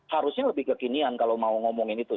harusnya lebih kekinian kalau mau ngomongin itu